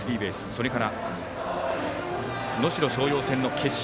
それから能代松陽戦の決勝